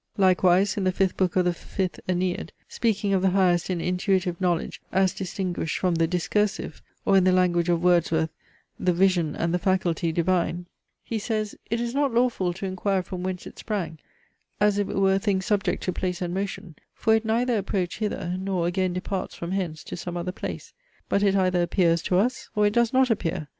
Likewise in the fifth book of the fifth Ennead, speaking of the highest and intuitive knowledge as distinguished from the discursive, or in the language of Wordsworth, "The vision and the faculty divine;" he says: "it is not lawful to inquire from whence it sprang, as if it were a thing subject to place and motion, for it neither approached hither, nor again departs from hence to some other place; but it either appears to us or it does not appear.